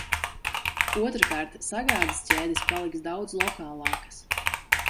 Otrkārt – sagādes ķēdes paliks daudz lokālākas.